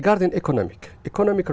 vấn đề kinh doanh